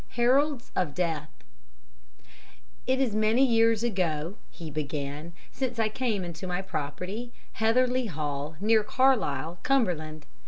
Heralds of Death "It is many years ago," he began, "since I came into my property, Heatherleigh Hall, near Carlisle, Cumberland.